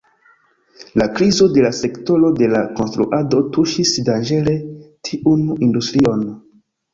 La krizo de la sektoro de la konstruado tuŝis danĝere tiun industrion.